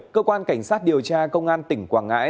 cơ quan cảnh sát điều tra công an tỉnh quảng ngãi